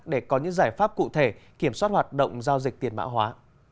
để có những giải pháp cụ thể kiểm soát hoạt động giao dịch tiền mã hóa